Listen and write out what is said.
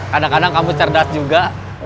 kadang kadang kamu cerdas juga